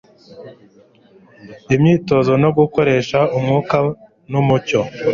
Imyitozo no gukoresha umwuka numucyo